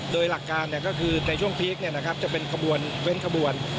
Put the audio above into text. โดยหลักการในช่วงพลิกจะเป็นเว้นข้บวน